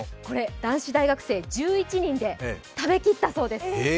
男子大学生１１人で食べきったそうです。